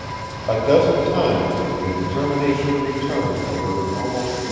A dozen times the determination to return for her almost won.